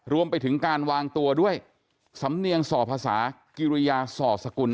รวมไปถึงการวางตัวด้วยสำเนียงส่อภาษากิริยาส่อสกุล